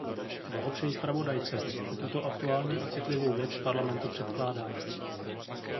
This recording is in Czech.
Blahopřeji zpravodajce, že tuto aktuální a citlivou věc Parlamentu předkládá.